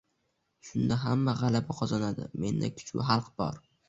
Shunda hamma g'alaba qozonadi, menda kuch va xalq bor